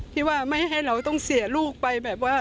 ที่ว่าไม่ให้เราต้องเสียลูกไปแบบว่า